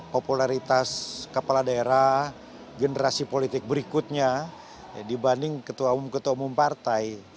popularitas kepala daerah generasi politik berikutnya dibanding ketua umum ketua umum partai